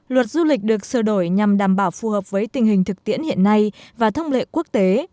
luật du lịch được sửa đổi nhằm đảm bảo phù hợp với tình hình thực tiễn hiện nay và thông lệ quốc tế